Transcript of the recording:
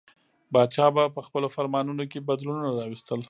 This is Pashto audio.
پاچا به په خپلو فرمانونو کې بدلونونه راوستل.